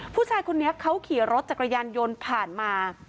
ผู้ชายคนนี้เขาขี่รถจักรยานยนต์ผ่านมา